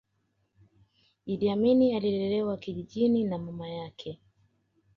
iddi amin alilelewa kijijini na mama yake